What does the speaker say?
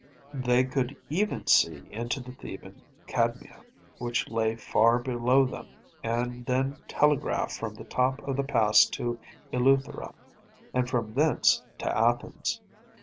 They could even see into the Theban Cadmea, which lay far below them, and then telegraph from the top of the pass to Eleutheræ, and from thence to Athens.